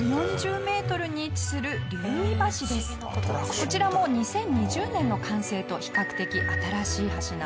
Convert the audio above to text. こちらも２０２０年の完成と比較的新しい橋なんです。